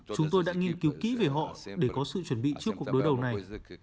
chúng tôi đã nghiên cứu kỹ về họ để có sự chuẩn bị trước cuộc đối đầu này